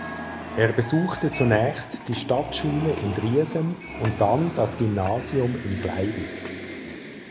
Er besuchte zunächst die Stadtschule in Driesen und dann das Gymnasium in Gleiwitz.